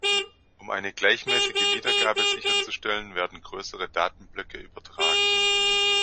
Um eine gleichmäßige Wiedergabe sicherzustellen, werden größere Datenblöcke übertragen.